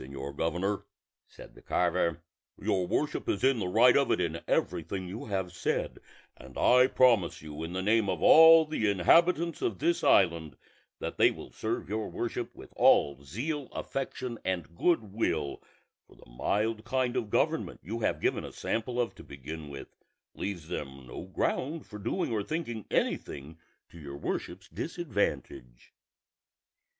"Of a truth, señor governor," said the carver, "your worship is in the right of it in everything you have said; and I promise you in the name of all the inhabitants of this island that they will serve your worship with all zeal, affection, and good will, for the mild kind of government you have given a sample of to begin with, leaves them no ground for doing or thinking anything to your worship's disadvantage."